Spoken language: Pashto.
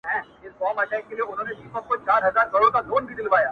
• چي به پورته څوك پر تخت د سلطنت سو,